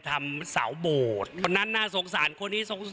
เธอบอกว่าถ้าถูก